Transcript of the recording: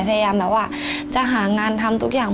พยายามแบบว่าจะหางานทำทุกอย่าง